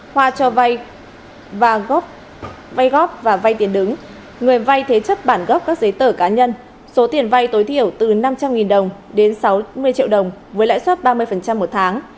hoa cho vai góp và vai tiền đứng người vai thế chất bản góp các giấy tờ cá nhân số tiền vai tối thiểu từ năm trăm linh đồng đến sáu mươi triệu đồng với lãi suất ba mươi một tháng